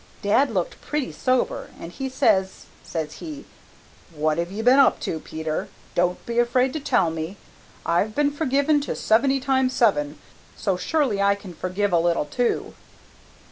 Dad looked pretty sober, and he says, says he, 'What have you been up to, Peter? Don't be afraid to tell me. I've been forgiven to seventy times seven, so surely I can forgive a little, too?